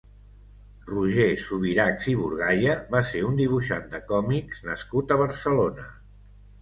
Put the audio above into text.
Roger Subirachs i Burgaya va ser un dibuixant de còmics nascut a Barcelona.